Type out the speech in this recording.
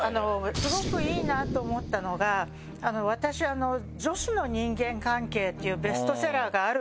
スゴくいいなと思ったのが私『女子の人間関係』っていうベストセラーがあるんですけど。